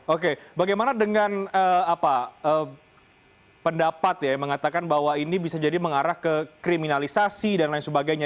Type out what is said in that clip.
oke bagaimana dengan pendapat ya mengatakan bahwa ini bisa jadi mengarah ke kriminalisasi dan lain sebagainya